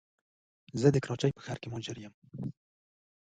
زه د کراچی په ښار کي مهاجر یم